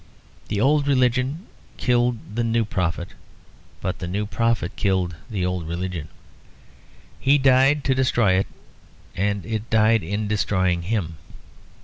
The old religion killed the new prophet; but the new prophet killed the old religion. He died to destroy it, and it died in destroying him.